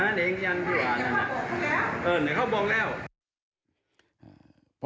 เออเดือนเขาบอกแล้ว